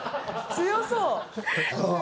強そう。